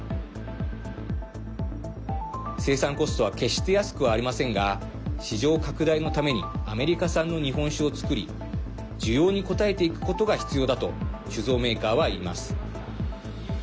生産コストは決して安くはありませんが市場拡大のためにアメリカ産の日本酒を造り需要に応えていくことが必要だと酒造メーカーはいいます。